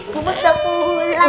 bu bos udah pulang